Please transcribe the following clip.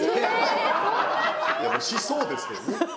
しそうですけどね